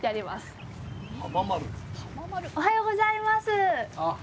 あおはようございます。